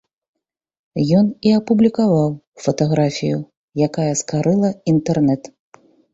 Ён і апублікаваў фатаграфію, якая скарыла інтэрнэт.